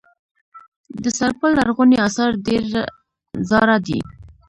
د سرپل لرغوني اثار ډیر زاړه دي